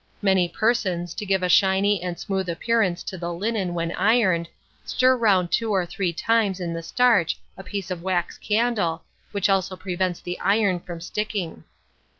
Many persons, to give a shiny and smooth appearance to the linen when ironed, stir round two or three times in the starch a piece of wax candle, which also prevents the iron from sticking.